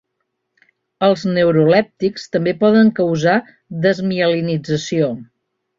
Els neurolèptics també poden causar desmielinització.